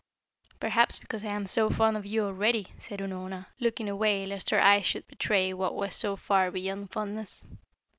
"Perhaps because I am so fond of you already," said Unorna, looking away lest her eyes should betray what was so far beyond fondness.